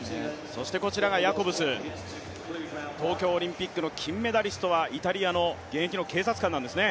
そしてこちらがヤコブス東京オリンピックの金メダリストはイタリアの現役の警察官なんですね。